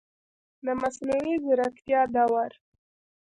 د مصنوعي ځیرکتیا دور